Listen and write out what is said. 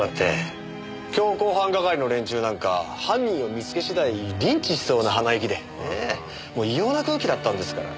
強行犯係の連中なんか犯人を見つけ次第リンチしそうな鼻息で異様な空気だったんですから。